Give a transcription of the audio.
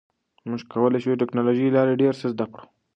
موږ کولی شو د ټکنالوژۍ له لارې ډیر څه زده کړو.